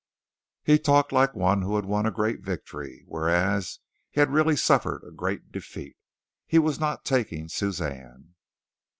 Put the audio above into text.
He talked like one who had won a great victory, whereas he had really suffered a great defeat. He was not taking Suzanne.